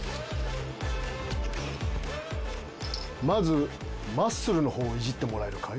まずマッスルの方をイジってもらえるかい？